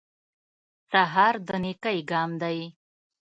سهار د نېکۍ ګام دی.